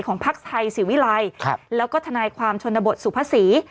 ภักดิ์ไทยศิวิลัยแล้วก็ทนายความชนบทสุภาษี